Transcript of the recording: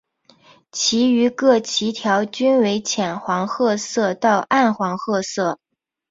其余各鳍条均为浅黄褐色到暗黄褐色。